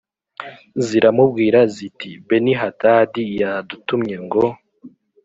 ziramubwira ziti “Benihadadi yadutumye ngo